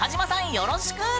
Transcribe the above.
よろしく！